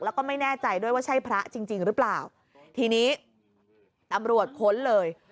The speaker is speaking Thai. แล้วก็ไม่แน่ใจด้วยว่าใช่พระจริงจริงหรือเปล่าทีนี้ตำรวจค้นเลย